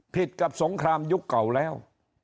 ผิดกับสงครามยุคเก่าแล้ว